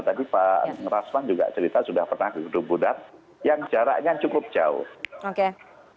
tadi pak rasman juga cerita sudah pernah ke gedung bundar yang jaraknya cukup jauh